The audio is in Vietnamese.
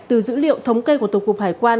từ dữ liệu thống kê của tổng cục hải quan